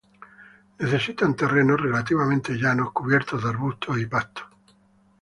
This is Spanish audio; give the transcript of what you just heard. Necesitan terrenos relativamente llanos, cubiertos de arbustos y pastos.